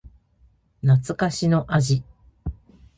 懐かしの味